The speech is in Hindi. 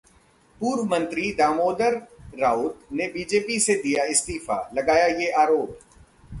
पूर्व मंत्री दामोदर राउत ने बीजेपी से दिया इस्तीफा, लगाया ये आरोप